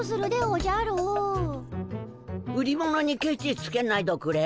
売り物にケチつけないどくれ。